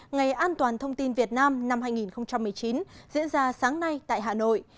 ngày an toàn thông tin việt nam năm hai nghìn một mươi chín diễn ra sáng nay tại hà nội